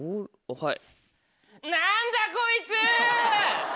はい。